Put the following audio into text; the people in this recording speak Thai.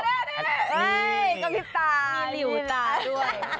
เฮ้ยกระพริบตามีหลิวตาด้วย